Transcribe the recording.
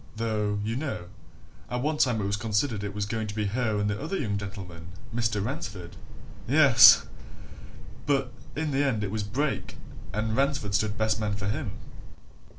Though, you know, at one time it was considered it was going to be her and the other young gentleman, Mr. Ransford yes! But, in the end, it was Brake and Ransford stood best man for him."